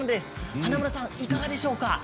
華丸さん、いかがでしょうか？